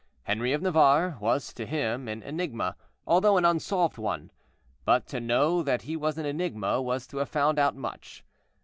Henri of Navarre was to him an enigma, although an unsolved one. But to know that he was an enigma was to have found out much.